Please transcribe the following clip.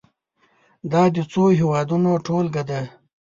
دا د څو هېوادونو ټولګه ده.